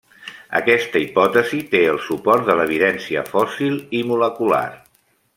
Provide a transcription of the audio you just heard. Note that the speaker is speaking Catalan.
Aquesta hipòtesi té el suport de l'evidència fòssil i molecular.